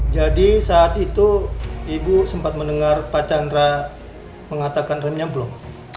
saat itu ibu sempat mendengar pak chandra mengatakan renyah belum